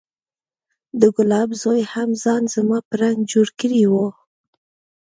د ګلاب زوى هم ځان زما په رنګ جوړ کړى و.